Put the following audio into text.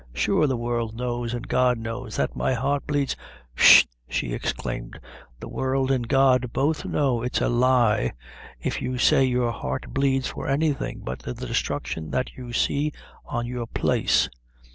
Sure the world knows, an' God knows, that my heart bleeds " "Whisht," she exclaimed, "the world an' God both know it's a lie, if you say your heart bleeds for any thing but the destruction that you see on your place.